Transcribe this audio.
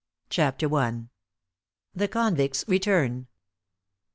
CHAPTER I. THE CONVICT'S RETURN.